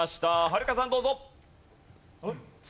はるかさんどうぞ。